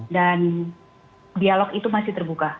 dan dialog itu masih terbuka